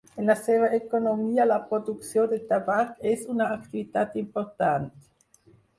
En la seva economia la producció de tabac és una activitat important.